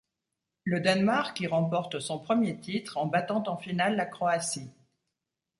Le Danemark y remporte son premier titre, en battant en finale la Croatie.